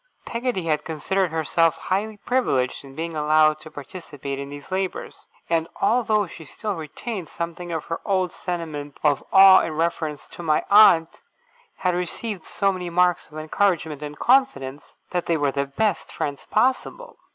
Peggotty had considered herself highly privileged in being allowed to participate in these labours; and, although she still retained something of her old sentiment of awe in reference to my aunt, had received so many marks of encouragement and confidence, that they were the best friends possible.